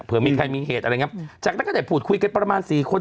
เผื่อมีใครมีเหตุอะไรงี้ครับจากนั้นแค่พูดคุยกันประมาณ๔คน